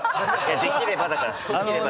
「できれば」だから。